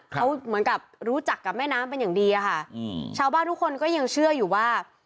เขาเหมือนกับรู้จักกับแม่น้ำเป็นอย่างดีอะค่ะอืมชาวบ้านทุกคนก็ยังเชื่ออยู่ว่า